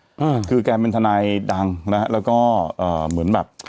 อืมคือแกเป็นทนายดังนะฮะแล้วก็เอ่อเหมือนแบบ